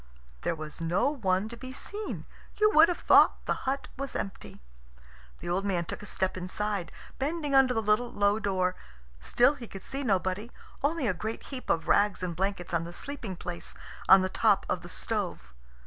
There was no one to be seen. You would have thought the hut was empty. The old man took a step inside, bending under the little low door. Still he could see nobody, only a great heap of rags and blankets on the sleeping place on the top of the stove.